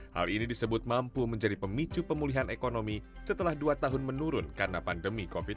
hal ini disebut mampu menjadi pemicu pemulihan ekonomi setelah dua tahun menurun karena pandemi covid sembilan belas